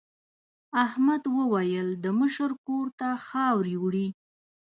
احمد وویل د مشر کور ته خاورې وړي.